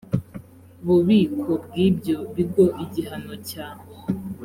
bubiko bw ibyo bigo igihano cya